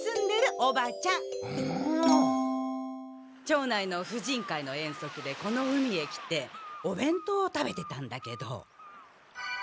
町内の婦人会の遠足でこの海へ来てお弁当食べてたんだけど。